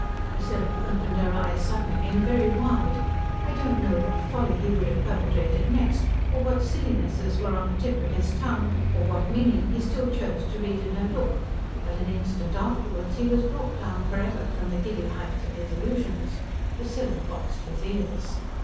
Priscilla opened her eyes suddenly and very wide. I don't know what folly he would have perpetrated next, or what sillinesses were on the tip of his tongue, or what meaning he still chose to read in her look, but an instant afterwards he was brought down for ever from the giddy heights of his illusions: Priscilla boxed his ears.